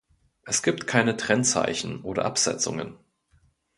Es gibt keine Trennzeichen oder Absetzungen.